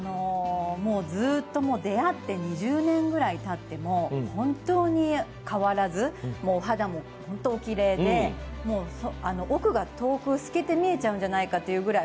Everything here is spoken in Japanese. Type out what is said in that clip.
ずっと、出会って２０年ぐらいたっても本当に変わらず、お肌もおきれいで奥が遠く透けて見えちゃうんじゃないってぐらい